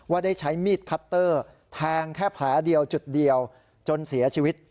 ได้ใช้มีดคัตเตอร์แทงแค่แผลเดียวจุดเดียวจนเสียชีวิต